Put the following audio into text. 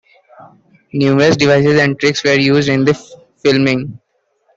Numerous devices and tricks were used in the filming.